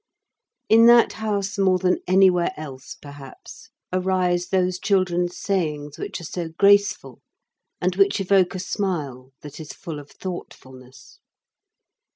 In that house more than anywhere else, perhaps, arise those children's sayings which are so graceful and which evoke a smile that is full of thoughtfulness.